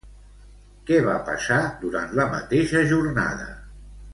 Què va passar durant la mateixa jornada?